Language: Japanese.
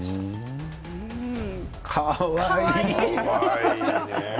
かわいい。